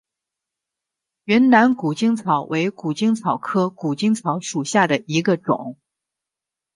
云南谷精草为谷精草科谷精草属下的一个种。